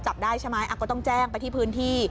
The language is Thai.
จับได้ใช่ไหมก็ต้องแจ้งไปที่พื้นที่